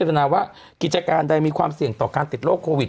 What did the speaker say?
พัฒนาวะกิจการได้มีความเสี่ยงต่อการติดโรคโควิด